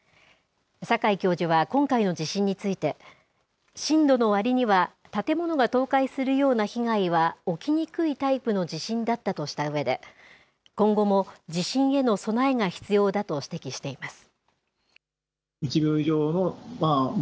境教授は今回の地震について、震度のわりには、建物が倒壊するような被害は起きにくいタイプの地震だったとしたうえで、今後も地震への備えが必要だと指摘しています。